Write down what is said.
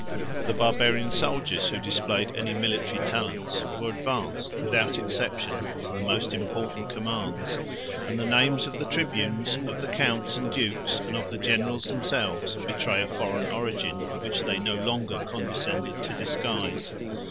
The Barbarian soldiers, who displayed any military talents, were advanced, without exception, to the most important commands; and the names of the tribunes, of the counts and dukes, and of the generals themselves, betray a foreign origin, which they no longer condescended to disguise.